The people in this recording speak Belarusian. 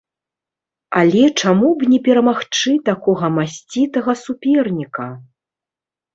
Але чаму б не перамагчы такога масцітага суперніка!